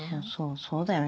そうだよね。